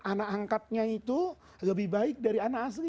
anak angkatnya itu lebih baik dari anak asli